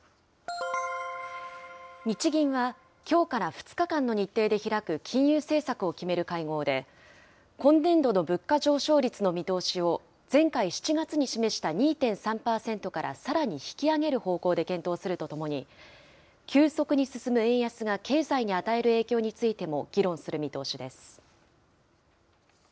日銀はきょうから２日間の日程で開く金融政策を決める会合で、今年度の物価上昇率の見通しを、前回・７月に示した２．３％からさらに引き上げる方向で検討するとともに、急速に進む円安が経済に与える影響についても議論する見通しです。